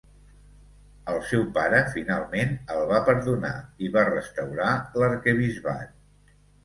El seu pare finalment el va perdonar i va restaurar l'arquebisbat.